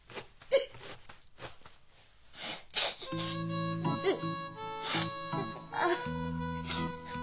えっ？